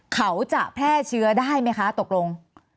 เขาจะแพร่เชื้อได้ไหมคะตกลง